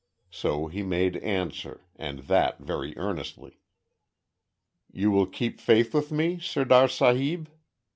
So he made answer, and that very earnestly. "You will keep faith with me, Sirdar Sahib?